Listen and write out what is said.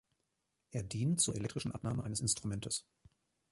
Er dient zur elektrischen Abnahme eines Instrumentes.